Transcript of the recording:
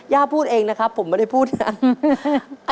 ย่าพูดเองนะครับผมไม่ได้พูดนะ